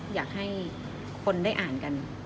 อยากให้คนได้อ่านกัน